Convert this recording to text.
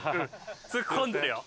突っ込んでるよ。